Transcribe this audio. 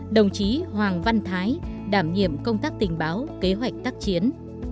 đồng chí hoàng văn thái đảm nhiệm công tác tình báo kế hoạch tác chiến